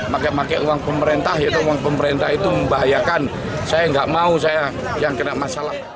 maka maka uang pemerintah itu membahayakan saya nggak mau saya yang kena masalah